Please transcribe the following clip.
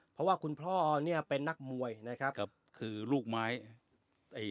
เพราะว่าคุณพ่อเนี่ยเป็นนักมวยนะครับกับคือลูกไม้เอ่อ